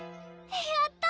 やった！